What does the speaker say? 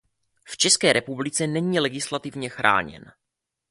V České republice není legislativně chráněn.